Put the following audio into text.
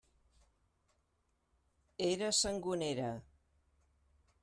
Era Sangonera.